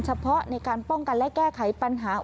เฉพาะในการป้องกันและแก้ไขปัญหา